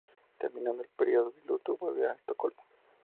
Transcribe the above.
Terminado el periodo de luto, volvió a Estocolmo.